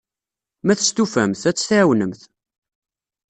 Ma testufamt, ad tt-tɛawnemt.